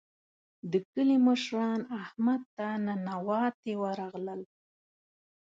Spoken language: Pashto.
د کلي مشران احمد ته ننواتې ورغلل.